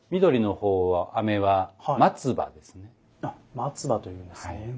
松葉と言うんですね。